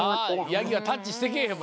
ヤギはタッチしてけえへんもんね。